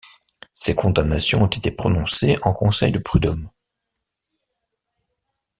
Ces condamnations ont été prononcées en conseils de prud'hommes.